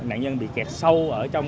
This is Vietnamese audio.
nạn nhân bị kẹt sâu